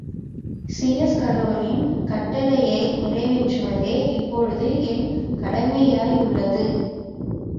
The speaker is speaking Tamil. சீயஸ் கடவுளின் கட்டளையை நிறைவேற்றுவதே இப்பொழுது என் கடமையாயுள்ளது!